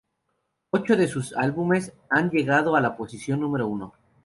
Ocho de sus álbumes han llegado a la posición número uno.